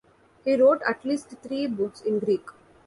He wrote at least three books in Greek.